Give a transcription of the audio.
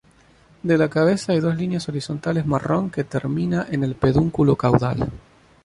De la cabeza hay dos líneas horizontales marrón que termina en el pedúnculo caudal.